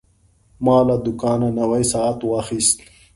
ما له دوکانه نوی ساعت واخیست.